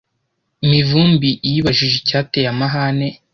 Mivumbi yibajije icyateye amahane